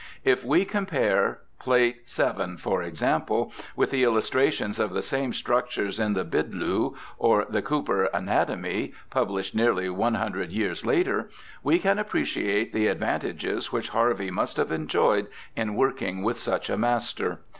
If we compare Plate VH, for ex ample, with the illustrations of the same structures in the Bidloo or the Cowper Anatomy^ published nearly one hundred years later, we can appreciate the ad vantages which Harvey must have enjoyed in working with such a master.